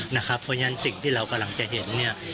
เพราะฉะนั้นสิ่งที่เรากำลังจะเห็นเนี่ย